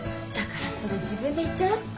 だからそれ自分で言っちゃう？